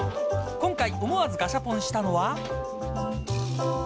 今回思わずガシャポンしたのは。